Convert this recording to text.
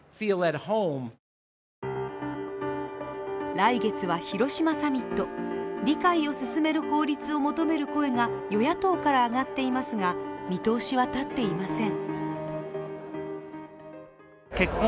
来月は広島サミット、理解を進める法律を求める声が与野党から上がっていますが、見通しは立っていません。